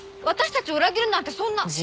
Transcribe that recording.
私たちを裏切るなんてそんな。